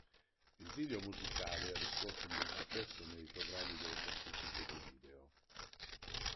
Il video musicale ha riscosso un buon successo nei programmi delle classifiche di video.